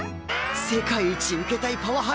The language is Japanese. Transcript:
世界一受けたいパワハラ